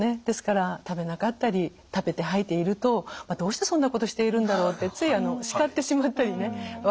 ですから食べなかったり食べて吐いているとどうしてそんなことをしているんだろうってつい叱ってしまったりね。